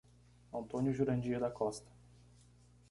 Antônio Jurandir da Costa